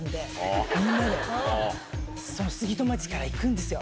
杉戸町から行くんですよ